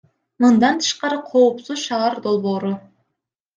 Мындан тышкары, Коопсуз шаар долбоору.